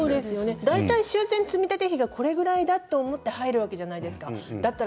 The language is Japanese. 大体、修繕積立費はこれぐらいだと思って入るわけじゃないですか。